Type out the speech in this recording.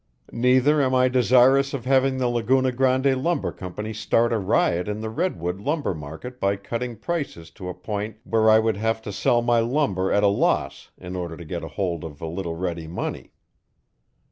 "Neither am I desirous of having the Laguna Grande Lumber Company start a riot in the redwood lumber market by cutting prices to a point where I would have to sell my lumber at a loss in order to get hold of a little ready money.